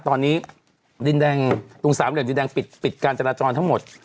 ตอนนี้ตรงสามเหล่นดินแดงปิดการจัดลาจรทั้งหมด